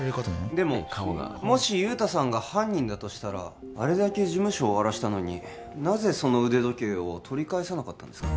でももし雄太さんが犯人ならあれだけ事務所を荒らしたのになぜその腕時計を取り返さなかったんですか？